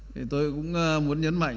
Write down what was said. thì tôi cũng muốn nhấn mạnh